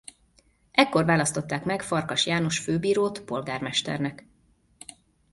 Ekkor választották meg Farkas János főbírót polgármesternek.